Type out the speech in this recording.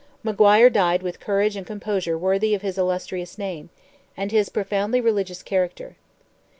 Maguire died with a courage and composure worthy of his illustrious name, and his profoundly religious character.